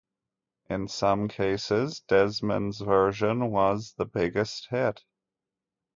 In some cases, Desmond's version was the biggest hit.